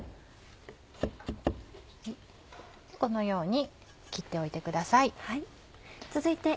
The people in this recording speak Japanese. このように切っておいてください。